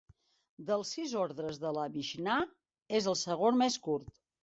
Dels sis ordres de la Mixnà, és el segon més curt.